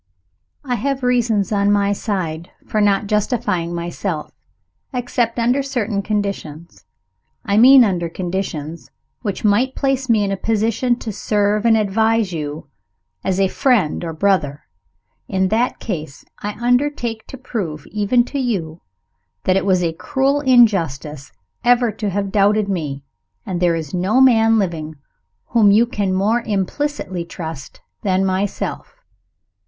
I have reasons, on my side, for not justifying myself except under certain conditions. I mean under conditions which might place me in a position to serve and advise you as a friend or brother. In that case, I undertake to prove, even to you, that it was a cruel injustice ever to have doubted me, and that there is no man living whom you can more implicitly trust than myself.